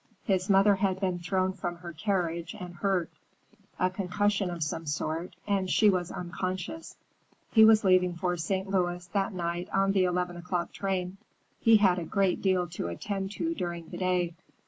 His mother had been thrown from her carriage and hurt; a concussion of some sort, and she was unconscious. He was leaving for St. Louis that night on the eleven o'clock train. He had a great deal to attend to during the day.